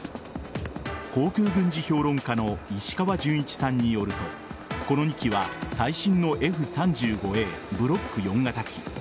航空軍事評論家の石川潤一さんによるとこの２機は最新のＦ‐３５Ａブロック４型機。